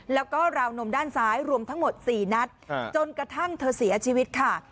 แล้วก็ราวนมด้านซ้ายรวมทั้งหมด๔นัดจนกระทั่งเธอเสียชีวิตค่ะ